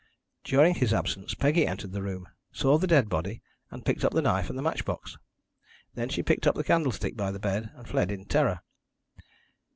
"During his absence Peggy entered the room, saw the dead body, and picked up the knife and the match box. Then she picked up the candlestick by the bed, and fled in terror.